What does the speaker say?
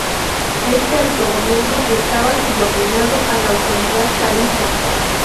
Este autogobierno estaba subordinado a la autoridad zarista.